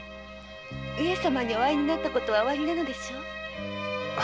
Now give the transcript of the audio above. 上様にお会いになったことはおありなのでしょう？